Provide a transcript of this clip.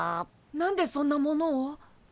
何でそんなものを？